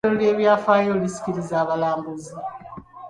Etterekero ly'ebyafaayo lisikiriza abalambuzi.